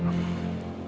aku mau ke rumah